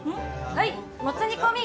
はいもつ煮込み。